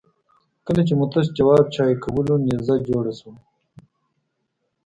کله چې مو تش جواب چای کولو نيزه جوړه شوه.